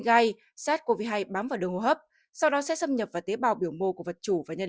gai sars cov hai bám vào đường hô hấp sau đó sẽ xâm nhập vào tế bào biểu mô của vật chủ và nhân